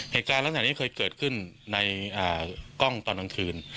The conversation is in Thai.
เหตุการณ์ตั้งแต่นี้คือเคยเกิดขึ้นในกล้องตอนนังคืน